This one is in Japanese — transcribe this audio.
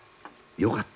よかった。